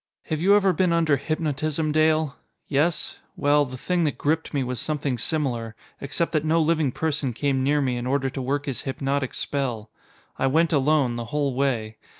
Have you ever been under hypnotism, Dale? Yes? Well, the thing that gripped me was something similar except that no living person came near me in order to work his hypnotic spell. I went alone, the whole way.